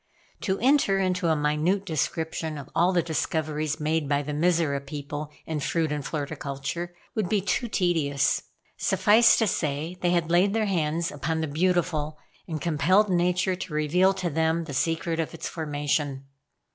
To enter into a minute description of all the discoveries made by the Mizora people in fruit and floriculture, would be too tedious; suffice to say they had laid their hands upon the beautiful and compelled nature to reveal to them the secret of its formation.